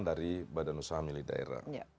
dari badan usaha milik daerah